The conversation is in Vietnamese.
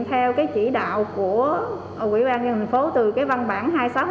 theo cái chỉ đạo của quỹ ban nhân phố từ cái văn bản hai nghìn sáu trăm hai mươi bảy